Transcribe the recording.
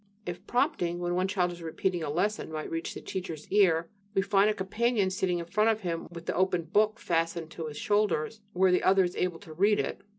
If "prompting" when one child is repeating a lesson might reach the teacher's ear, we find a companion sitting in front of him with the open book fastened to his shoulders, where the other is able to read it.